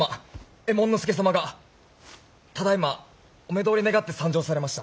右衛門佐様がただいまお目通りを願って参上されました。